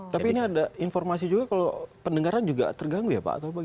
tapi ini ada informasi juga kalau pendengaran juga terganggu ya pak